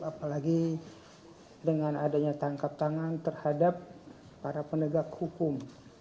apalagi dengan adanya tangkap tangan terhadap para penegak hukum